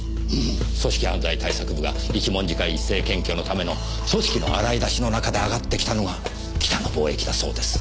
組織犯罪対策部が一文字会一斉検挙のための組織の洗い出しの中で挙がってきたのが北野貿易だそうです。